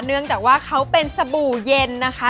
เนื่องจากว่าเขาเป็นสบู่เย็นนะคะ